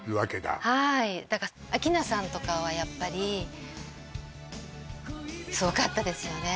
はい明菜さんとかはやっぱりすごかったですよね